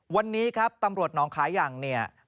วันนี้ครับตำรวจน้องขายังเนี่ย